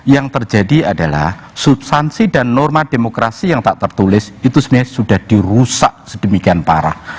yang terjadi adalah substansi dan norma demokrasi yang tak tertulis itu sebenarnya sudah dirusak sedemikian parah